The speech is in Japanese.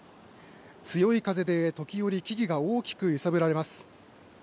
強い風で時折、木々が大きく揺さぶられます。